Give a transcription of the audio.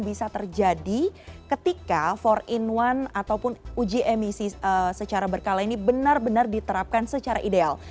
bisa terjadi ketika empat in satu ataupun uji emisi secara berkala ini benar benar diterapkan secara ideal